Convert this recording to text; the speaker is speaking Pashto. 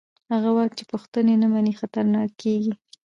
هغه واک چې پوښتنې نه مني خطرناک کېږي